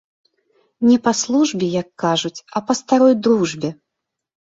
Не па службе, як кажуць, а па старой дружбе.